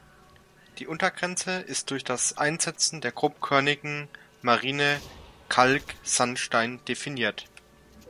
Die Untergrenze ist durch das Einsetzen der grobkörnigen, marine Kalksandstein definiert.